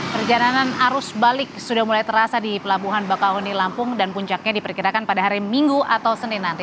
perjalanan arus balik sudah mulai terasa di pelabuhan bakauheni lampung dan puncaknya diperkirakan pada hari minggu atau senin nanti